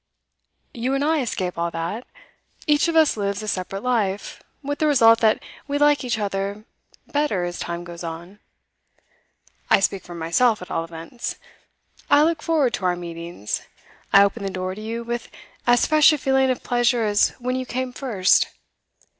You and I escape all that. Each of us lives a separate life, with the result that we like each other better as time goes on; I speak for myself, at all events. I look forward to our meetings. I open the door to you with as fresh a feeling of pleasure as when you came first.